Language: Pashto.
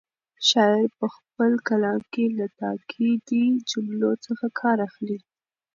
شاعر په خپل کلام کې له تاکېدي جملو څخه کار اخلي.